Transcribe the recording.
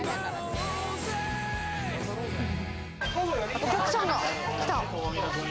お客さんが来た。